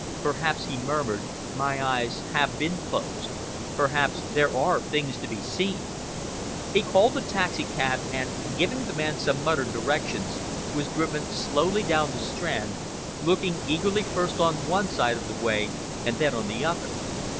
"Perhaps," he murmured, "my eyes have been closed. Perhaps there are things to be seen." He called a taxicab and, giving the man some muttered directions, was driven slowly down the Strand, looking eagerly first on one side of the way and then on the other.